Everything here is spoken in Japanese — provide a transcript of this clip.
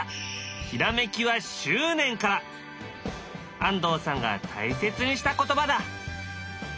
安藤さんが大切にした言葉だ。